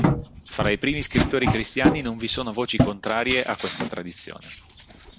Fra i primi scrittori cristiani non vi sono voci contrarie a questa tradizione.